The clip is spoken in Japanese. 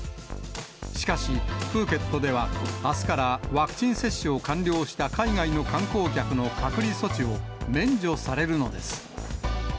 しかし、プーケットではあすからワクチン接種を完了した海外の観光客の隔離措置を免除されるのです。